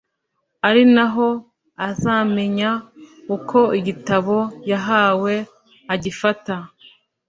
ari na ho azamenya uko igitabo yahawe agifata